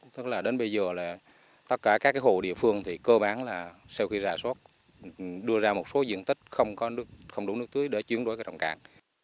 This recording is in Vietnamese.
tức là đến bây giờ tất cả các hồ địa phương cơ bản là sau khi rà sốt đưa ra một số diện tích không đủ nước tưới để chuyển đổi đồng cạn